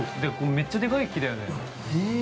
めっちゃでかい木だよね。